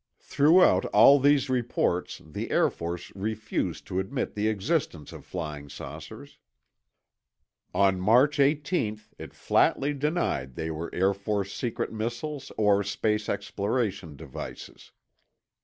Throughout all these reports, the Air Force refused to admit the existence of flying saucers. On March 18 it flatly denied they were Air Force secret missiles or space exploration devices.